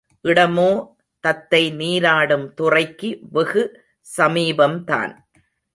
இடமோ தத்தை நீராடும் துறைக்கு வெகு சமீபம்தான்.